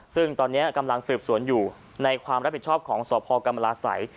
ซึ่งตอนนี้กำลังสืบสวนอยู่ในความรับผิดชอบของสพกรรมราศัย